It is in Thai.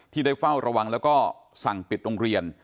ที่ได้เฝ้าระวังแล้วก็สั่งปิดโรงเรียน